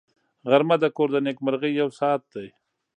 غرمه د کور د نېکمرغۍ یو ساعت دی